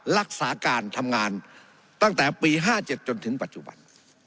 รักษาการทำงานตั้งแต่ปี๕๗จนถึงปัจจุบัน